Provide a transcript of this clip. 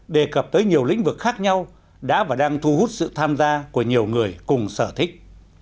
đề cập tới nhiều lĩnh vực khác nhau đã và đang thu hút sự tham gia của nhiều người cùng sở thích